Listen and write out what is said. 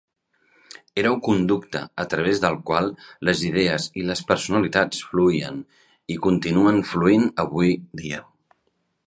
Era un conducte a través del qual les idees i les personalitats fluïen, i continuen fluint avui dia.